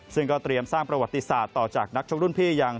ซึ่งก็เตรียมสร้างประวัติศาสตร์ต่อจากนักชกรุ่นพี่อย่าง